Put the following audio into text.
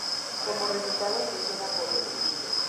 Como resultado, creció en la pobreza.